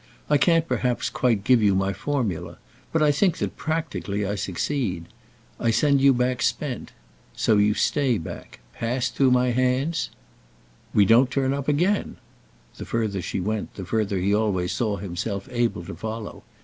I can't perhaps quite give you my formula, but I think that practically I succeed. I send you back spent. So you stay back. Passed through my hands—" "We don't turn up again?" The further she went the further he always saw himself able to follow.